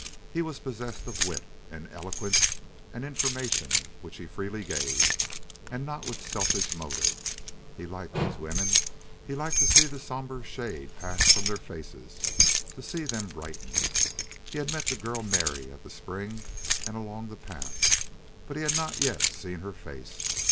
He was possessed of wit and eloquence and information, which he freely gave, and not with selfish motive. He liked these women; he liked to see the somber shade pass from their faces, to see them brighten. He had met the girl Mary at the spring and along the path, but he had not yet seen her face.